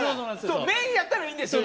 メインやったらいいんですけど。